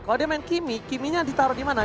kalau dia main kimmy kimmy nya yang ditaruh dimana